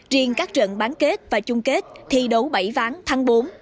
riêng các trận bán kết và chung kết thi đấu bảy ván tháng bốn